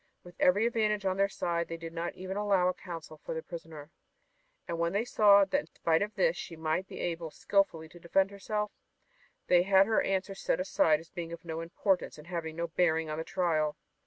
With every advantage on their side they did not even allow a counsel for their prisoner, and when they saw that in spite of this she might be able skilfully to defend herself, they had her answers set aside as being of no importance and having no bearing on the trial.